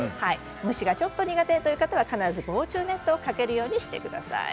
虫が苦手という方は必ず防虫ネットをかけるようにしてください。